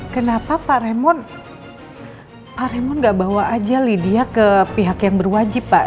kenapa pak raymond pak raymond gak bawa aja lydia ke pihak yang berwajib pak